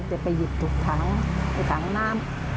เจ๊พายิบถูกทางทางน้ำ